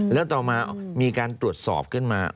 แล้วต่อมามีการตรวจสอบขึ้นมา